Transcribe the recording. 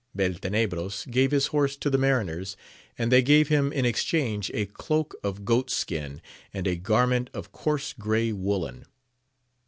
Beltenebros gave his horse to the mariners, and they gave him in exchange a cloak of goat skin, and a garment of coarse grey woollen.